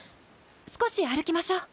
少し歩きましょう。